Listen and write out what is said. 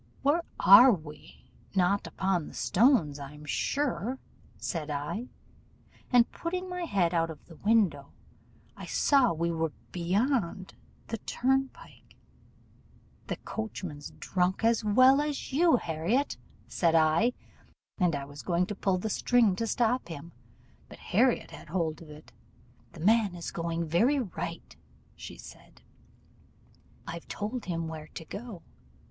'Where are we? not upon the stones, I'm sure,' said I; and putting my head out of the window, I saw we were beyond the turnpike. 'The coachman's drunk as well as you, Harriot,' said I; and I was going to pull the string to stop him, but Harriot had hold of it. 'The man is going very right,' said she; 'I've told him where to go.